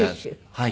はい。